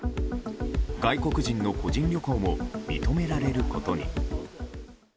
外国人の個人旅行も認められることに。